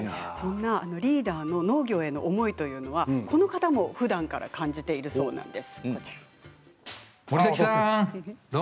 リーダーの農業への思いというのはこの方もふだんから感じているそうです。